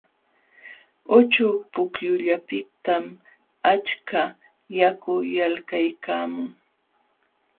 Uchuk pukyullapiqtam achka yaku yalqaykaamun.